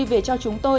về cho chúng tôi